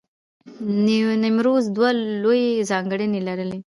نیمروز دوه لوی ځانګړنې لرلې.